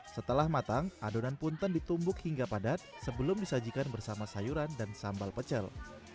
setelah matang adonan punten ditumbuk hingga padat sebelum disajikan bersama sayuran dan sambal pecel